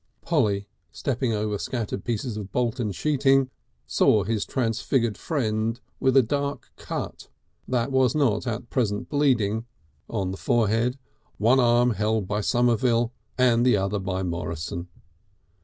Polly, stepping over scattered pieces of Bolton sheeting, saw his transfigured friend with a dark cut, that was not at present bleeding, on the forehead, one arm held by Somerville and the other by Morrison.